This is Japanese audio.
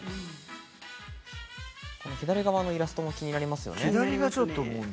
左側のイラストも気になりますよね。